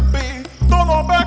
kami akan bantu